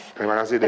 terima kasih daisy